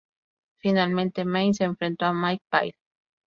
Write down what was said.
Finalmente, Mein se enfrentó a Mike Pyle.